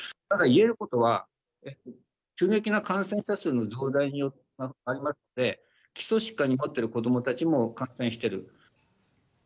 ただ、言えることは、急激な感染者数の増大に相まって、基礎疾患を持ってる子どもたちも感染してる。